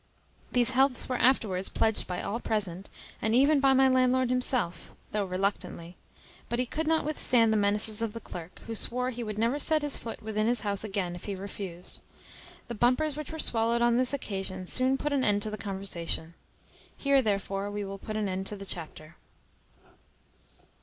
These healths were afterwards pledged by all present, and even by my landlord himself, though reluctantly; but he could not withstand the menaces of the clerk, who swore he would never set his foot within his house again, if he refused. The bumpers which were swallowed on this occasion soon put an end to the conversation. Here, therefore, we will put an end to the chapter.